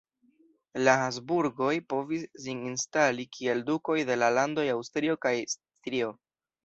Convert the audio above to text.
La Habsburgoj povis sin instali kiel dukoj de la landoj Aŭstrio kaj Stirio.